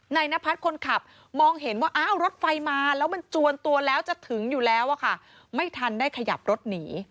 นพัฒน์คนขับมองเห็นว่าอ้าวรถไฟมาแล้วมันจวนตัวแล้วจะถึงอยู่แล้วอะค่ะไม่ทันได้ขยับรถหนี